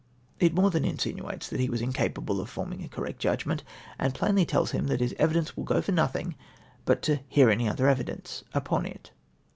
It more than insinuates that he was incapable of forming a correct judgment, and plainly tells ]nm that his evidence will go for nothing, but " to hear any other evidence " upon it.